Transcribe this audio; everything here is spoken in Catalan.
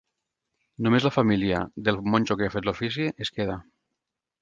Només la família del monjo que ha fet l'ofici es queda.